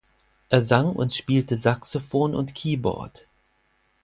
Er sang und spielte Saxophon und Keyboard.